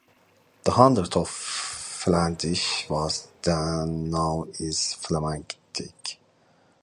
The hundred of Flendish was then known as Flamingdike.